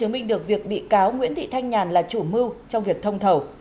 bị cáo nguyễn thị thanh nhàn vẫn đang bỏ trốn